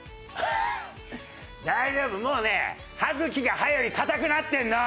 大丈夫もうね歯茎が歯より硬くなってるの。